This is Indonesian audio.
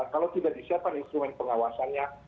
kalau tidak disiapkan instrumen pengawasannya